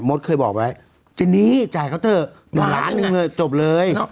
หมดเคยบอกไว้จริงนี้จ่ายเขาเถอะหนึ่งล้านหนึ่งเงินจบเลย